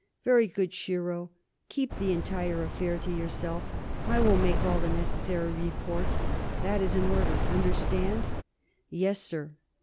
"Very good, Shiro. Keep the entire affair to yourself. I will make all the necessary reports. That is an order understand?" "Yes, sir."